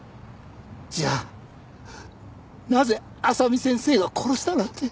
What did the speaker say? じゃあなぜ麻美先生が殺したなんて。